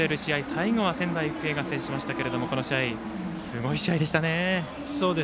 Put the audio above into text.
最後は仙台育英が制しましたがこの試合、すごい試合でしたね。